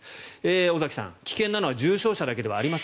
尾崎さん、危険なのは重症者だけじゃないです。